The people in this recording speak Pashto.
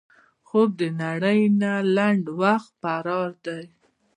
خوب د نړۍ نه لنډ وخت فرار دی